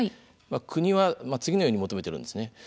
国は次のように求めているんです。